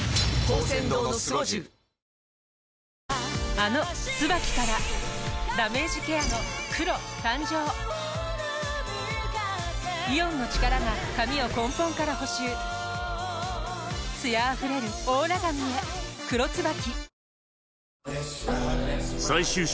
あの「ＴＳＵＢＡＫＩ」からダメージケアの黒誕生イオンの力が髪を根本から補修艶あふれるオーラ髪へ「黒ＴＳＵＢＡＫＩ」